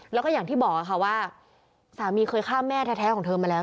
แล้วก็อย่างที่บอกค่ะว่าสามีเคยฆ่าแม่แท้ของเธอมาแล้ว